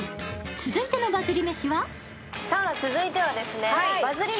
続いてのバズり